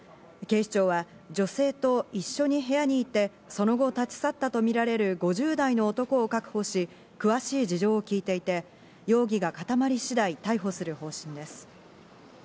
警視庁は女性と一緒に部屋にいて、その後、立ち去ったとみられる５０代の男を確保し、詳しい事情を聞いていて、容疑が固まり次第、逮捕する方針です。